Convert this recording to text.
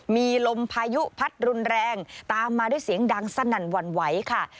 มีลมพายุพัดรุนแรงตามมาด้วยเสียงดังสนั่นหวั่นไหวค่ะ